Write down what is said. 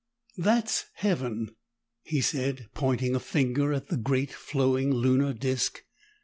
"That's Heaven," he said pointing a finger at the great flowing lunar disk.